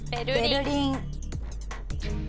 ベルリン。